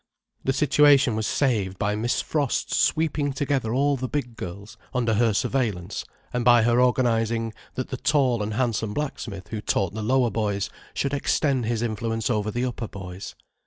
The situation was saved by Miss Frost's sweeping together all the big girls, under her surveillance, and by her organizing that the tall and handsome blacksmith who taught the lower boys should extend his influence over the upper boys.